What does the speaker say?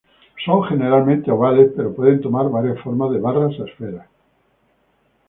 Son generalmente ovales, pero pueden tomar varias formas de barras a esferas.